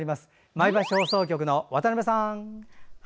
前橋放送局の渡辺さん。